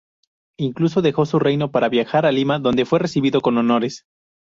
Incluso dejó su reino para viajar a Lima donde fue recibido con honores.